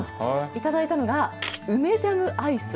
頂いたのが梅ジャムアイス。